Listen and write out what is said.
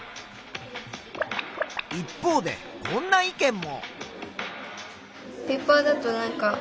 一方でこんな意見も。